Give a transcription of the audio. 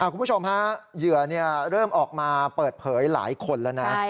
คุณผู้ชมฮะเหยื่อเริ่มออกมาเปิดเผยหลายคนแล้วนะ